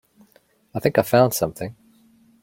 I think I found something.